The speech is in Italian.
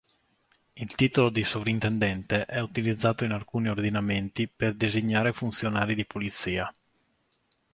Il titolo di sovrintendente è utilizzato in alcuni ordinamenti per designare funzionari di polizia.